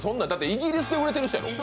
イギリスで売れてる人やろ？